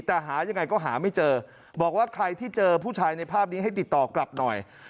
แต่หายังไงก็หาไม่เจอบอกว่าใครที่เจอผู้ชายในภาพนี้ให้ติดต่อกลับหน่อย